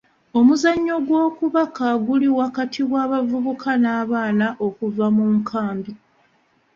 Omuzannyo gw'okubaka guli wakati w'abavubuka n'abaana okuva mu nkambi.